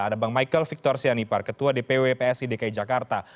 ada bang michael victor sianipar ketua dpw psi dki jakarta